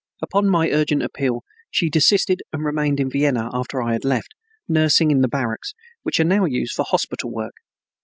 Upon my urgent appeal she desisted and remained in Vienna after I had left, nursing in the barracks, which are now used for hospital work.